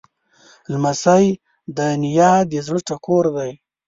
لمسی د نیا د زړه ټکور دی.